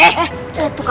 eh eh eh tuh kak